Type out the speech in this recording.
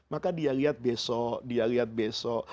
maka dia lihat besok dia lihat besok